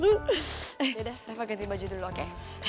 yaudah reva ganti baju dulu oke